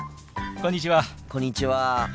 こんにちは。